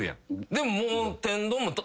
でも。